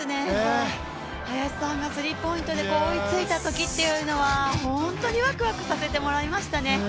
林さんがスリーポイントで追いついたときというのは、ホントにワクワクさせてもらいましたね。